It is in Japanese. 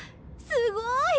すごい！